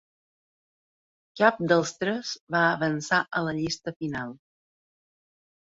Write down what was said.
Cap dels tres va avançar a la llista final.